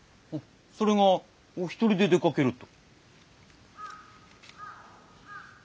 それがお一人で出かけると。